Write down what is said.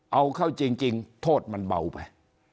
เอาเข้าจริงโทษมันเบาไป